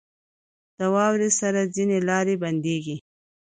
• د واورې سره ځینې لارې بندېږي.